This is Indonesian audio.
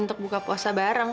untuk buka puasa bareng